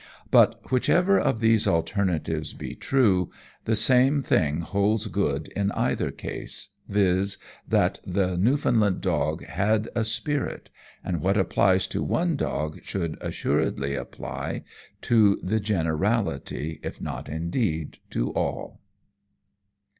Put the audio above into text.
But whichever of these alternatives be true, the same thing holds good in either case, viz. that the Newfoundland dog had a spirit and what applies to one dog should assuredly apply to the generality, if not, indeed, to all.